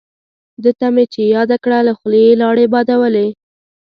دته مې چې یاده کړه له خولې یې لاړې بادولې.